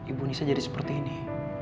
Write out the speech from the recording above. ibu nisa jadi seperti ini